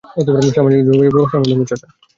সামাজিক যোগাযোগ ব্যবস্থার মাধ্যমে, চাচা।